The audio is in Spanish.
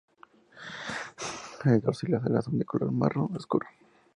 El dorso y las alas son de color marrón oscuro.